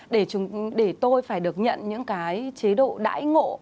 để tôi phải được nhận những cái chế độ đãi ngộ